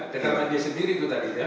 kenapa dia sendiri itu tadi ya